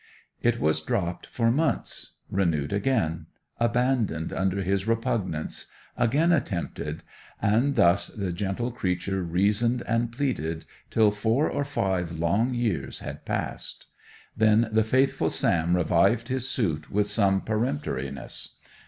It was dropped for months; renewed again; abandoned under his repugnance; again attempted; and thus the gentle creature reasoned and pleaded till four or five long years had passed. Then the faithful Sam revived his suit with some peremptoriness.